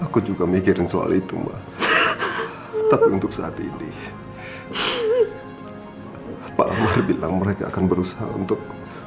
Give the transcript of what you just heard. aku juga mikirin soal itu mbak tapi untuk saat ini pak akbar bilang mereka akan berusaha untuk